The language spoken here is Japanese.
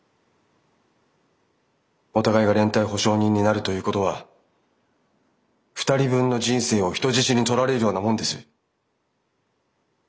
お互いが連帯保証人になるということは二人分の人生を人質に取られるようなもんです。